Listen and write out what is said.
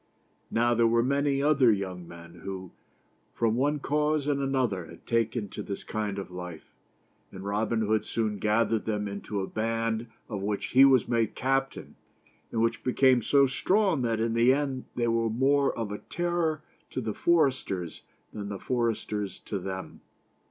Now there were many other young men who, from one cause and another, had taken to this kind of life, and Robin 213 Hood soon gathered them THE' STORY OF ROBIN HOOD. into a band of which he was made captain, and which be came so strong that in the end they were more of a terror to the foresters than the foresters to them.